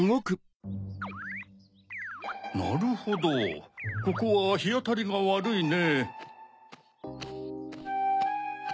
なるほどここはひあたりがわるいね。